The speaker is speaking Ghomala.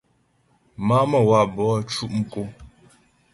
Má'a Məwabo cʉ' mkǒ.